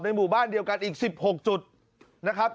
หมู่บ้านเดียวกันอีก๑๖จุดนะครับ